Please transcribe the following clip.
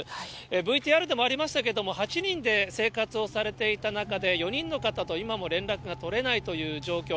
ＶＴＲでもありましたけれども、８人で生活をされていた中で、４人の方と今も連絡が取れないという状況。